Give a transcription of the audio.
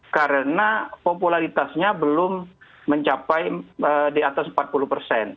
karena popularitasnya belum mencapai di atas empat puluh persen